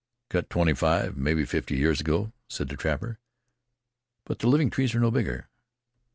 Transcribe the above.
"Cut twenty five, mebbe fifty years ago," said the trapper. "But the living trees are no bigger."